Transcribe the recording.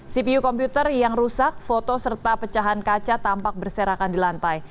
cpu komputer yang rusak foto serta pecahan kaca tampak berserakan di lantai